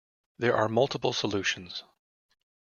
There are multiple solutions.